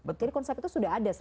jadi konsep itu sudah ada sebenarnya